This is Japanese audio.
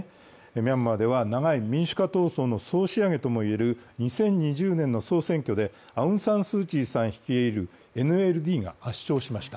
ミャンマーでは長い民主化運動の総仕上げとして２０２０年の総選挙でアウン・サン・スー・チーさん率いるＮＬＤが圧勝しました。